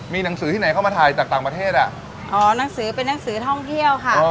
มีหนังสือที่ไหนเข้ามาถ่ายจากต่างประเทศอ่ะอ๋อหนังสือเป็นหนังสือท่องเที่ยวค่ะ